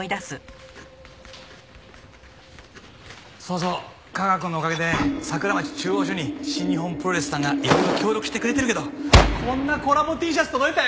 そうそう架川くんのおかげで桜町中央署に新日本プロレスさんがいろいろ協力してくれてるけどこんなコラボＴシャツ届いたよ！